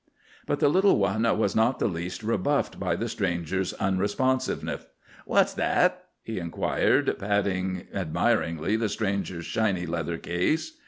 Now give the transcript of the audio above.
But the little one was not in the least rebuffed by the stranger's unresponsiveness. "What's that?" he inquired, patting admiringly the stranger's shiny leather case.